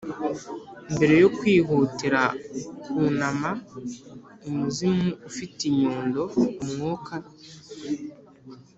mbere yo kwihutira kwunama umuzimu ufite inyundo, umwuka,